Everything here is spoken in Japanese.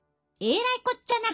えらいこっちゃな。